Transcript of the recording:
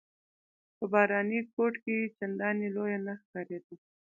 په باراني کوټ کې چنداني لویه نه ښکارېده.